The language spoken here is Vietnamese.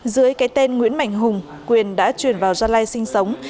dưới cái tên nguyễn mạnh hùng quyền đã chuyển vào gia lai sinh sống